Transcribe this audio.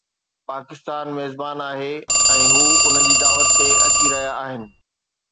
پاڪستان ميزبان آهي ۽ هو ان جي دعوت تي اچي رهيا آهن.